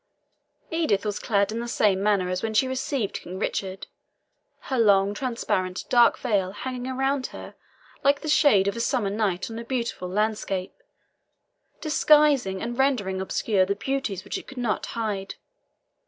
Edith was clad in the same manner as when she received King Richard, her long, transparent dark veil hanging around her like the shade of a summer night on a beautiful landscape, disguising and rendering obscure the beauties which it could not hide.